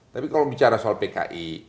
tapi kalau bicara soal pki